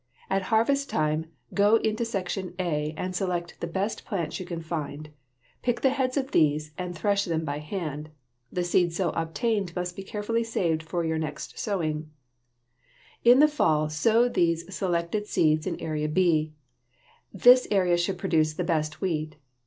At harvest time go into section A and select the best plants you can find. Pick the heads of these and thresh them by hand. The seed so obtained must be carefully saved for your next sowing. [Illustration: FIG. 52.] In the fall sow these selected seeds in area B. This area should produce the best wheat.